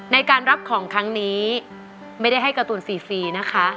ในการรับของครั้งนี้ไม่ได้ให้การ์ตูนฟรีนะคะ